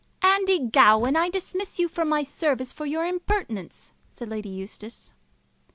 "Andy Gowran, I dismiss you from my service for your impertinence," said Lady Eustace.